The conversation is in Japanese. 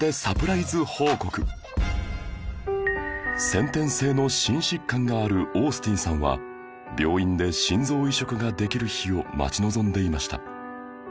先天性の心疾患があるオースティンさんは病院で心臓移植ができる日を待ち望んでいました